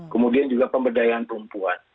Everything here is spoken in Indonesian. kemudian juga pemberdayaan perempuan